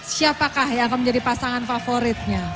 siapakah yang akan menjadi pasangan favoritnya